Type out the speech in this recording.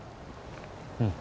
うん。